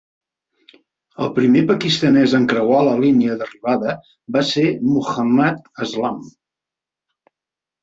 El primer pakistanès en creuar la línia d'arribada va ser Mohammad Aslam.